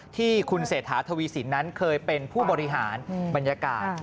ที่คุณเศรษฐาทวีสินนั้นเคยเป็นผู้บริหารบรรยากาศ